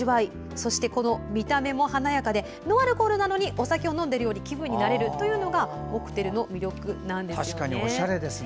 そして、見た目も華やかでノンアルコールなのにお酒を飲んでいるような気分になれるのがモクテルの魅力なんです。